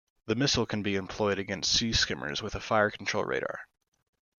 The missile can be employed against Sea skimmers with a fire control radar.